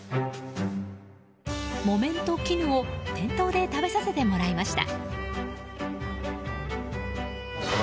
木綿と絹を店頭で食べさせてもらいました。